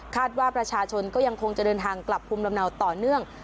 ว่าประชาชนก็ยังคงจะเดินทางกลับภูมิลำเนาต่อเนื่อง